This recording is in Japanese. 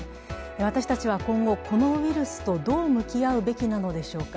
私たちは今後、このウイルスとどう向き合うべきなのでしょうか。